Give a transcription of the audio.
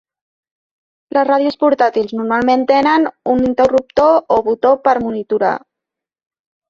Les ràdios portàtils normalment tenen un interruptor o botó per monitorar.